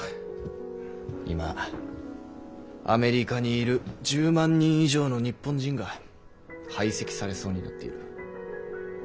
今アメリカにいる１０万人以上の日本人が排斥されそうになっている。